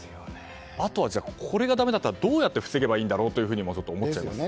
あとは、これがだめだったらどうやって防げばいいんだろうと思っちゃいます。